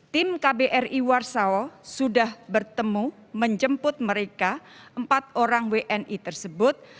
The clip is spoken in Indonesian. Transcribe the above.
tim kbri warsawa sudah bertemu menjemput mereka empat orang wni tersebut